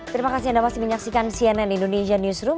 terima kasih anda masih menyaksikan cnn indonesia newsroom